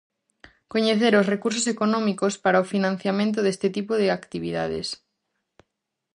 Coñecer os recursos económicos para o financiamento deste tipo de actividades.